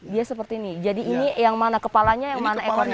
dia seperti ini jadi ini yang mana kepalanya yang mana ekornya